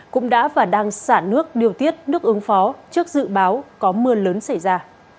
cũng đã và đang xả nước điều tiết nước ứng phó trước dự báo có mưa lớn xảy ra